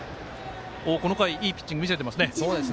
この回、いいピッチング見せていますね。